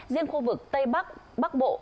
riêng khu vực tây bắc bắc bộ